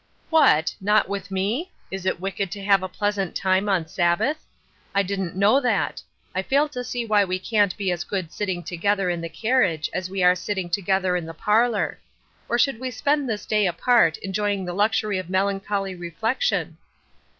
" What I not with me ? Is it wicked to have a pleasant time on Sabbath? I didn't know that. I fail to see why we can't be as good sit ting together in the carriage as we are sitting together in the parlor. Or should we spend this day apart, enjoying the luxury of melancholy reflection?"